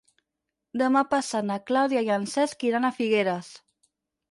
Demà passat na Clàudia i en Cesc iran a Figueres.